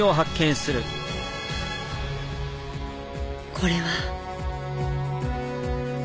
これは。